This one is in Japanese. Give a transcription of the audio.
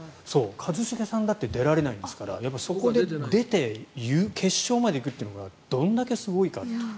一茂さんだって出られないんだからそこで出て決勝まで行くというのがどれだけすごいかという。